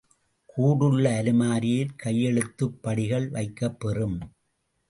கூடுள்ள அலமாரியில் கையெழுத்துப் படிகள் வைக்கப் பெறும்.